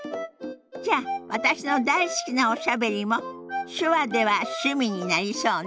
じゃあ私の大好きな「おしゃべり」も手話では趣味になりそうね。